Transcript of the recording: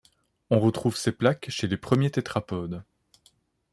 On retrouve ces plaques chez les premiers tétrapodes.